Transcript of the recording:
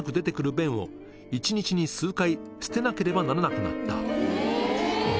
便を一日に数回捨てなければならなくなった